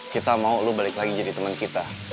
kita mau lo balik lagi jadi teman kita